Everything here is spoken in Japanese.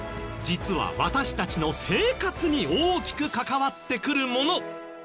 実は私たちの生活に大きく関わってくるもの。